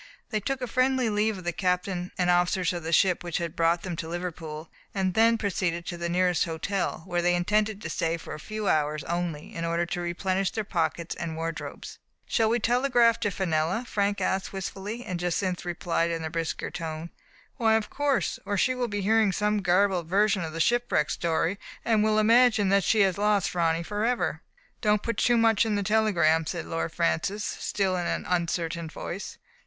They took a friendly leave of the captain and officers of the ship which had brought them to Liverpool, and then proceeded to the nearest hotel, where they intended to stay for a few hours only, in order to replenish their pockets and wardrobes. ''Shall we telegraph to Fenella? Frank asked wistfully ; and Jacynth replied, in a brisker tone : "Why, of course, or she will be hearing some garbled version of the shipwreck story, and will imagine that she has lost Ronny forever/' 969 Digitized by Google ADELINE SERGEANT. 263 "Don't put too much in the telegram,*' said Lord Francis, still in an uncertain voice.